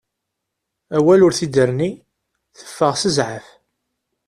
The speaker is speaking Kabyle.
Awal ur t-id-terni, teffeɣ s zɛaf.